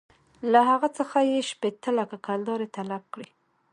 له هغه څخه یې شپېته لکه کلدارې طلب کړې.